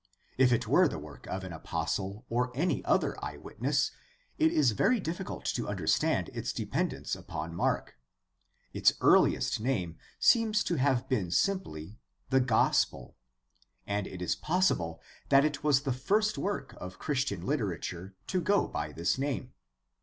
If it were the work of an apostle or any other eyewitness, it is very difficult to under stand its dependence upon Mark. Its earliest name seems to have been simply "The Gospel," and it is possible that it was the first work of Christian literature to go by this name.